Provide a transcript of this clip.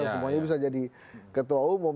semuanya bisa jadi ketua umum